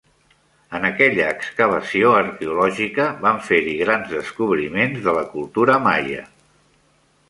En aquella excavació arqueològica van fer-hi grans descobriments de la cultura maia.